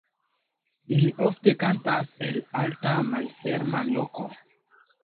Ili ofte kantas el alta malferma loko.